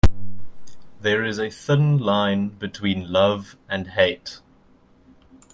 There is a thin line between love and hate.